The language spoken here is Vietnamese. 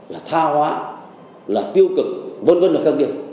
là tha hóa là tiêu cực vân vân và khen kia